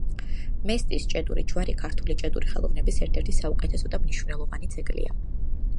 მესტიის ჭედური ჯვარი ქართული ჭედური ხელოვნების ერთ-ერთი საუკეთესო და მნიშვნელოვანი ძეგლია.